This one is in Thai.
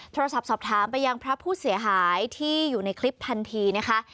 โทรศัพท์สอบถามไปยังพระผู้เสียหายที่อยู่ในคลิปทันทีนะคะ